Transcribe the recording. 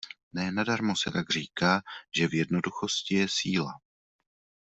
Ne nadarmo se tak říká, že v jednoduchosti je síla.